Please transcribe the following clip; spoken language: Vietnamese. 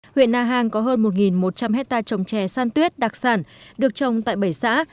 huyện na hàng có hơn một một trăm linh hectare trồng chè san tuyết đặc sản được trồng tại bảy xã